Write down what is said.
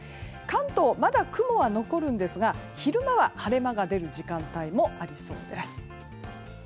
関東、まだ雲は残るんですが昼間は晴れ間が出る時間帯もありそうです。